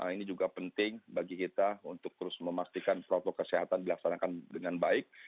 ini juga penting bagi kita untuk terus memastikan protokol kesehatan dilaksanakan dengan baik